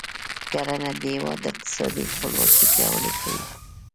کرنه د هیواد اقتصادي خپلواکي پیاوړې کوي.